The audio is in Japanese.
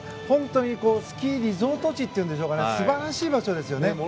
本当にスキーリゾート地というか素晴らしい場所ですよね。